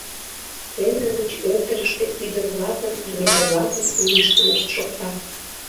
Сцена гыч ӧрдыжыштӧ ӱдыр-влакын, рвезе-влакын лӱшкымышт шокта.